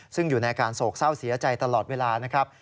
ซึ่งอยู่ในอาการโศกเศร้าเสียใจตลอดเวลานะครับ